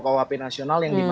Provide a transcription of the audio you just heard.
kuhp nasional yang dimaksud